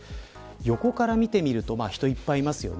横から見ると人がいっぱい、います。